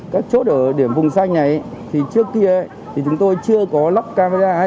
các chốt ở điểm vùng xanh này trước kia chúng tôi chưa có lắp camera